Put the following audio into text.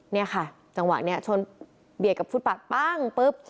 เนี่ยค่ะจังหวะนี้ชนเบียดกับฟุตปาดปั้งปุ๊บ